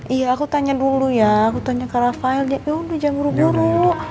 iya aku tanya dulu ya aku tanya ke rafael ya udah jangan buru buru